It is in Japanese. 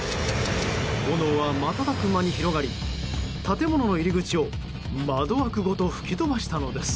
炎は瞬く間に広がり建物の入り口を窓枠ごと吹き飛ばしたのです。